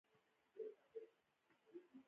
د اوبو څرخونو ترویج پروسه ډېره ټکنۍ وه